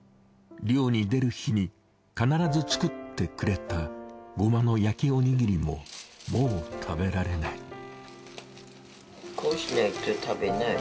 漁に出る日に必ず作ってくれたゴマの焼きおにぎりももう食べられない。